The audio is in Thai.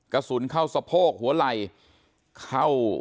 กระสุนเข้าสะโพกหัวไหล่เข้า